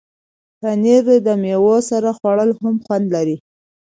پنېر د میوو سره خوړل هم خوند لري.